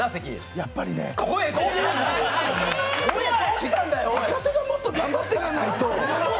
やっぱりね若手がもっと頑張っていかないと。